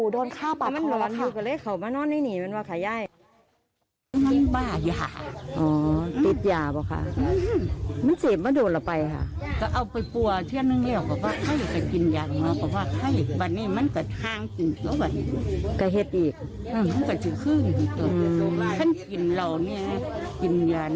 แต่พอออกไปดูปั๊บปู่โดนข้าวปากเขาแล้วค่ะ